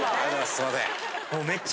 すいません。